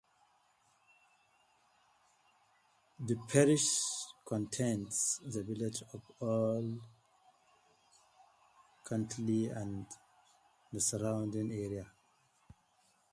The parish contains the village of Old Cantley and the surrounding area.